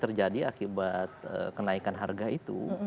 terjadi akibat kenaikan harga itu